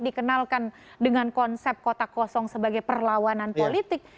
dikenalkan dengan konsep kotak kosong sebagai perlawanan politik